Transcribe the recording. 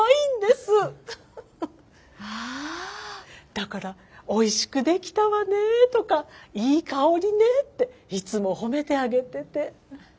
だから「おいしくできたわね」とか「いい香りね」っていつも褒めてあげてて。